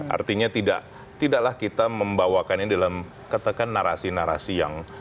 artinya tidaklah kita membawakannya dalam katakan narasi narasi yang